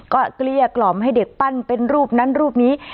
ก็เกลี้ยกล่อมให้เด็กปั้นเป็นรูปนั้นรูปนี้